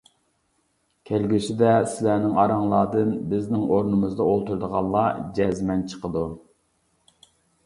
كەلگۈسىدە سىلەرنىڭ ئاراڭلاردىن بىزنىڭ ئورنىمىزدا ئولتۇرىدىغانلار جەزمەن چىقىدۇ.